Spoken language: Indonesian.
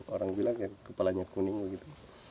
orang bilang ya kepalanya kuning begitu